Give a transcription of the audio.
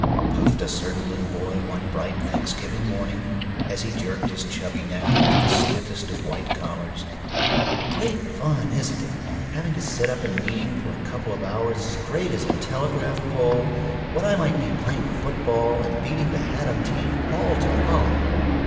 puffed a certain little boy one bright Thanksgiving morning, as he jerked his chubby neck into the stiffest of white collars. "Great fun, isn't it, having to sit up in meeting for a couple of hours straight as a telegraph pole when I might be playing football and beating the Haddam team all to hollow!